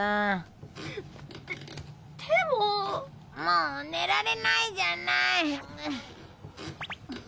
もう寝られないじゃない！